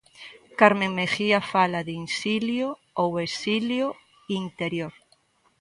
Carmen Mejía fala de "insilio ou exilio interior".